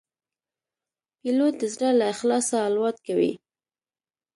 پیلوټ د زړه له اخلاصه الوت کوي.